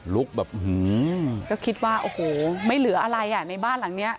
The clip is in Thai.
แบบก็คิดว่าโอ้โหไม่เหลืออะไรอ่ะในบ้านหลังเนี้ย